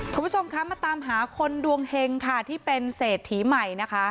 คุณผู้ชมคะมาตามหาคนดวงเฮงค่ะที่เป็นเศรษฐีใหม่นะคะ